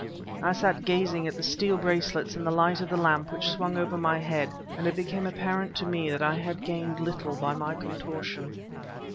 I sat gazing at the steel bracelets in the light of the lamp which swung over my head, and it became apparent to me that I had gained little by my contortion.